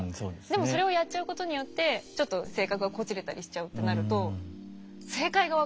でもそれをやっちゃうことによってちょっと性格がこじれたりしちゃうってなると正解が分かんない。